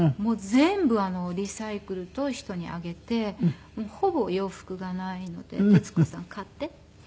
全部リサイクルと人にあげてほぼ洋服がないので徹子さん買って。